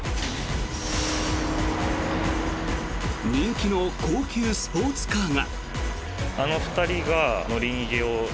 人気の高級スポーツカーが。